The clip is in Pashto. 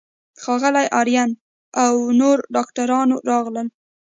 ښاغلی آرین او نورو ډاکټرانو راغلل.